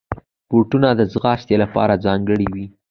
بوټونه د ځغاستې لپاره ځانګړي وي.